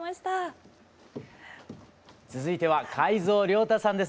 続いては海蔵亮太さんです。